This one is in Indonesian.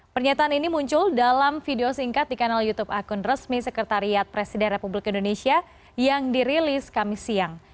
pernyataan ini muncul dalam video singkat di kanal youtube akun resmi sekretariat presiden republik indonesia yang dirilis kami siang